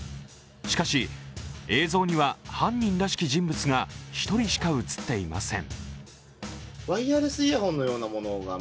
しかし、映像には犯人らしき人物が１人しか映っていません。